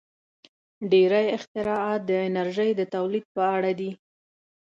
• ډېری اختراعات د انرژۍ د تولید په اړه دي.